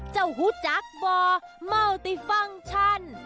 เจ้าหู้จักษ์ว่ามัลติฟังชัน